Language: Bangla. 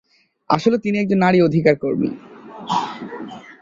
আসলে তিনি একজন নারী অধিকার কর্মী।